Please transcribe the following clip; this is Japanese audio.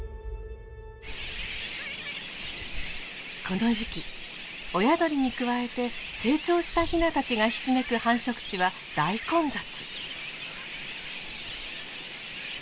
この時期親鳥に加えて成長したヒナたちがひしめく繁殖地は大混雑。